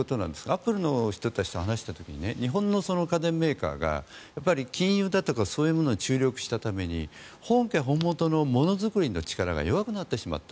アップルの人たちと話した時に日本の家電メーカーが金融だとかそういうものに注力したために本家本元のものづくりの力が弱くなってしまった。